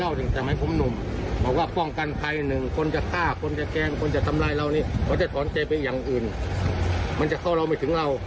อันนี้เขาจะถอนเจนไปอย่างอื่นมันจะเข้าเราไม่ถึงเรา